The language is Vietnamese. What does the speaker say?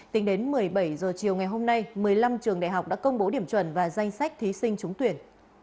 tính đến một mươi bảy h chiều ngày hôm nay một mươi năm trường đại học đã công bố điểm chuẩn và danh sách thí sinh trúng tuyển